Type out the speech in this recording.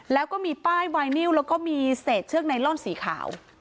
แล้วก็มีป้ายไวนิวแล้วก็มีเศษเชือกไนลอนสีขาว